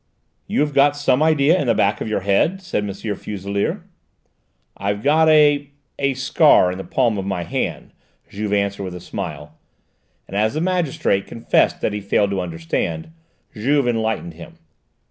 "You have got some idea in the back of your head?" said M. Fuselier. "I've got a a scar in the palm of my hand," Juve answered with a smile, and as the magistrate confessed that he failed to understand, Juve enlightened him.